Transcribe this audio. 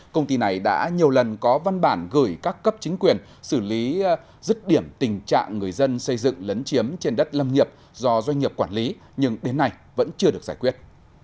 công ty này đã nhiều lần có văn bản gửi các cấp chính quyền xử lý rứt điểm tình trạng người dân xây dựng lấn chiếm trên đất lâm nghiệp do doanh nghiệp quản lý nhưng đến nay vẫn chưa được giải quyết